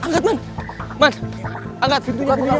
lihat pintunya pak